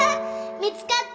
見つかった。